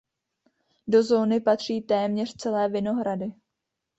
Do zóny patří téměř celé Vinohrady.